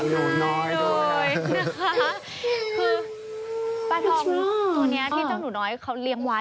แล้วก็บอกร้องให้เสียใจ